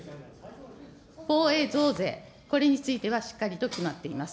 防衛増税、これについてはしっかりと決まっています。